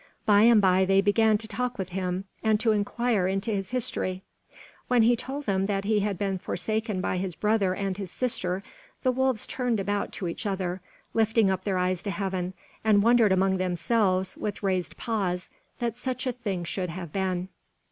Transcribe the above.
By and by they began to talk with him, and to inquire into his history. When he told them that he had been forsaken by his brother and his sister, the wolves turned about to each other, lifted up their eyes to heaven, and wondered among themselves, with raised paws, that such a thing should have been.